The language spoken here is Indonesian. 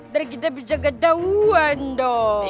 nanti kita bisa ketahuan dong